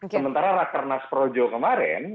sementara raternas projo kemarin